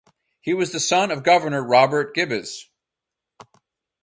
He was the son of governor Robert Gibbes.